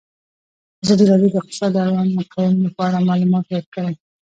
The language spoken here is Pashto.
ازادي راډیو د اقتصاد د اړونده قوانینو په اړه معلومات ورکړي.